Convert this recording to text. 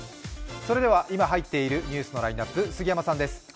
それでは今、入っているニュースのラインナップ、杉山さんです。